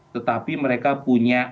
tetapi mereka punya